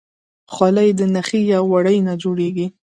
خولۍ د نخي یا وړۍ نه جوړیږي.